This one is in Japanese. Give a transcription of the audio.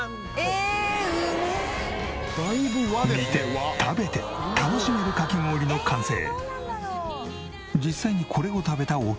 見て食べて楽しめるかき氷の完成。